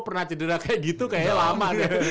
pernah cedera kayak gitu kayaknya lama deh